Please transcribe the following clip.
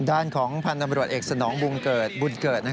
ด้านของพันธ์ตำรวจเอกสนองบุงเกิดบุญเกิด